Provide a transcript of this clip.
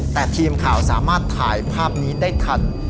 แต่ทีมข่าวสามารถถ่ายภาพนี้ได้ทัน